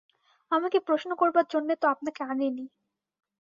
আমাকে প্রশ্ন করবার জন্যে তো আপনাকে আনি নি।